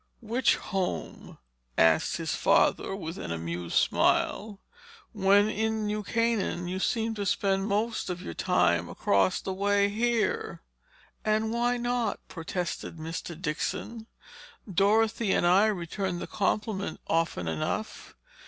"Which home?" asked his father with an amused smile. "When in New Canaan you seem to spend most of your time across the way here." "And why not?" protested Mr. Dixon. "Dorothy and I return the compliment often enough.